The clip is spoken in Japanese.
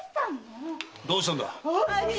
どうしたんだ？